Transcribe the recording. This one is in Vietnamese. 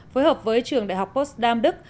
phối hợp với trường đại học postdam đức